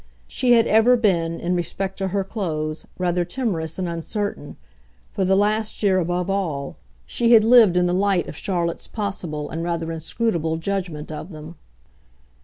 She had ever been, in respect to her clothes, rather timorous and uncertain; for the last year, above all, she had lived in the light of Charlotte's possible and rather inscrutable judgment of them.